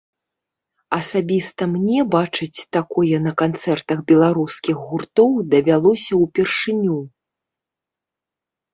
Асабіста мне бачыць такое на канцэртах беларускіх гуртоў давялося ўпершыню.